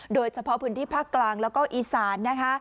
โดยเฉพาะพื้นที่ภาคกลางแล้วก็อีสานนะคะ